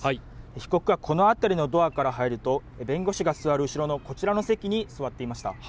被告はこの辺りのドアから入ると弁護士が座る後ろのこちらの席に座っていました。